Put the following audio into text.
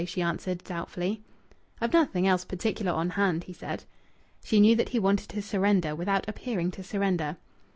she answered, doubtfully. "I've nothing else particular on hand," he said. She knew that he wanted to surrender without appearing to surrender.